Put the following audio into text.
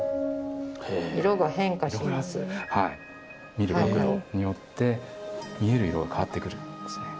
見る角度によって見える色が変わってくるんですね。